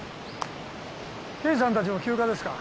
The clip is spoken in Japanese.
刑事さんたちも休暇ですか？